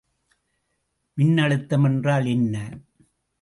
மின்னழுத்தம் என்றால் என்ன?